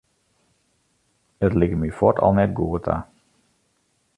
It like my fuort al net goed ta.